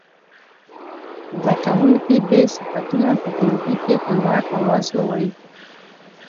زده کوونکي دې صفتونه په ټولګي کې په لوړ اواز ووايي.